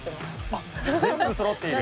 あっ全部そろっている。